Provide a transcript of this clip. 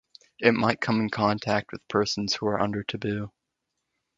It might come in contact with persons who are under taboo.